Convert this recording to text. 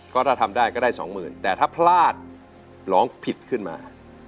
ก็ได้ทำได้ก็ได้๒๐๐๐๐แต่ถ้าพลาดหลอมผิดขึ้นมา